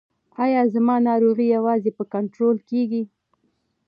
ایا زما ناروغي یوازې په کنټرول کیږي؟